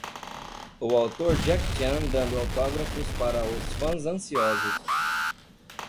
o ator Jackie Chan dando autógrafos para os fãs ansiosos.